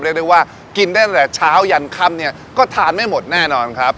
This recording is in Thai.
เรียกได้ว่ากินได้ตั้งแต่เช้ายันค่ำเนี่ยก็ทานไม่หมดแน่นอนครับ